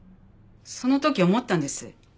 その時思ったんです。